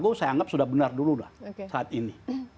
itu saya anggap sudah benar dulu lah saat ini